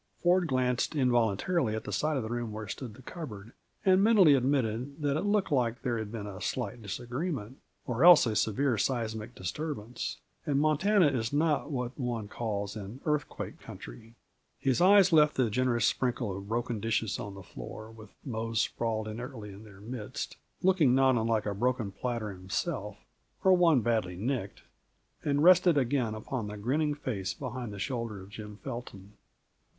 Ford glanced involuntarily at that side of the room where stood the cupboard, and mentally admitted that it looked like there had been a slight disagreement, or else a severe seismic disturbance; and Montana is not what one calls an earthquake country. His eyes left the generous sprinkle of broken dishes on the floor, with Mose sprawled inertly in their midst, looking not unlike a broken platter himself or one badly nicked and rested again upon the grinning face behind the shoulder of Jim Felton.